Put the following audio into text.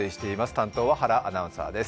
担当は原アナウンサーです。